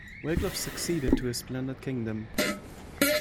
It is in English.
Wiglaf succeeded to his splendid kingdom.